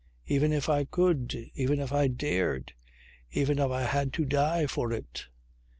"Even if I could. Even if I dared, even if I had to die for it!"